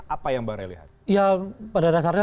apa yang bang rey lihat ya pada dasarnya